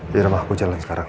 yaudah ma aku jalan sekarang